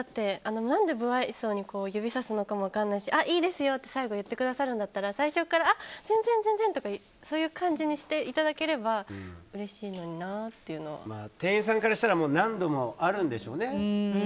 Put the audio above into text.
何で不愛想に指さすのかも分かんないしいいですよって最後言ってくださるんだったら最初から、いやいや全然とかそういう感じにしていただければ店員さんからしたら何度もあるんでしょうね。